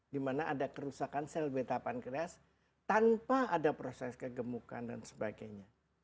di mana ada kerusakan sel beta pankreas tanpa ada proses kegemukan dan sebagainya